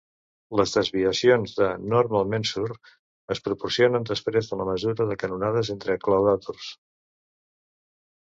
Les desviacions de Normalmensur es proporcionen després de la mesura de canonades entre claudàtors.